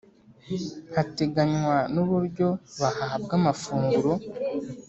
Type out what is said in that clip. hateganywa nuburyo bahabwa amafunguro